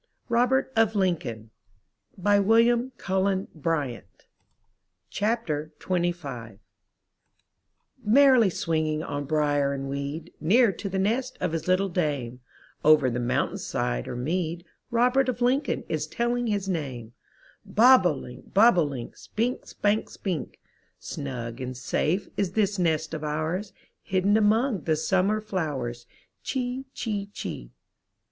ROBERT OF LINCOLN* William CuUen Bryant Merrily swinging on brier and weed, Near to the nest of his little dame, Over the mountain side or mead, Robert of Lincoln is telling his name Bob o* link, bob o* link, Spink, spank, spink. Snug and safe is this nest of ours. Hidden among the summer flowers, Chee, chee, chee.